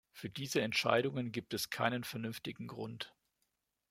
Für diese Entscheidungen gibt es keinen vernünftigen Grund.